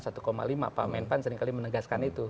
pak menpan seringkali menegaskan itu